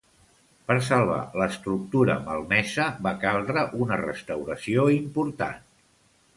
Per salvar l'estructura malmesa va caldre una restauració important.